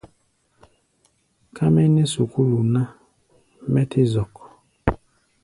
Ka mɛ nɛ́ sukúlu ná, mɛ́ tɛ́ zɔk.